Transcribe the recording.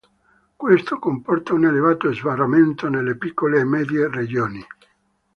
Questo comporta un elevato sbarramento nelle piccole e medie regioni.